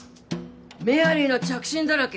メアリーの着信だらけ